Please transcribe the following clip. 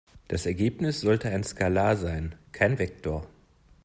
Das Ergebnis sollte ein Skalar sein, kein Vektor.